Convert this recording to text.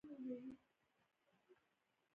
نجونې به تر هغه وخته پورې په پوهنتونونو کې څیړنې کوي.